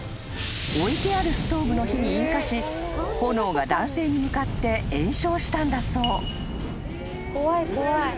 ［置いてあるストーブの火に引火し炎が男性に向かって延焼したんだそう］